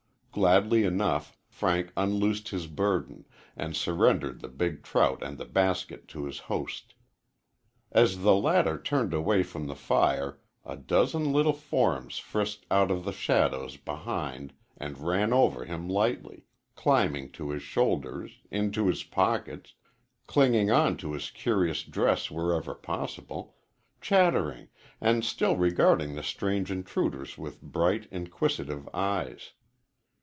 Gladly enough Frank unloosed his burden, and surrendered the big trout and the basket to his host. As the latter turned away from the fire a dozen little forms frisked out of the shadows behind and ran over him lightly, climbing to his shoulders, into his pockets, clinging on to his curious dress wherever possible chattering, and still regarding the strange intruders with bright, inquisitive eyes.